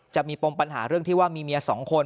จะมีปมปัญหาเรื่องที่ว่ามีเมีย๒คน